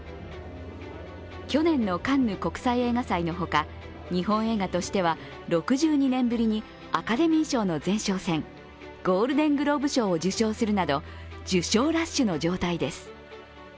去年のカンヌ国際映画祭のほか日本映画としては６２年ぶりにアカデミー賞の前哨戦、ゴールデングローブ賞を受賞するなど受賞ラッシュの状態です。